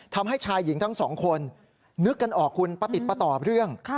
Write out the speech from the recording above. ทำให้ชายหญิงทั้งสองคนนึกกันออกคุณประติดประต่อเรื่อง